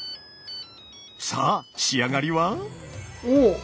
さあ仕上がりは？